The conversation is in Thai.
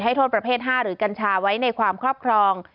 โทษประเภท๕หรือกัญชาไว้ในความครอบครอง